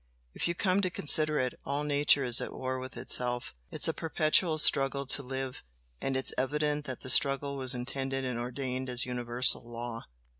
If you come to consider it, all nature is at war with itself, it's a perpetual struggle to live, and it's evident that the struggle was intended and ordained as universal law.